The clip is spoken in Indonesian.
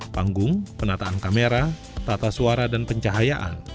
panggung penataan kamera tata suara dan pencahayaan